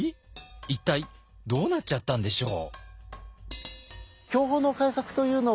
一体どうなっちゃったんでしょう？